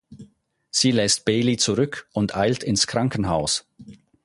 Sie lässt Bailey zurück und eilt ins Krankenhaus.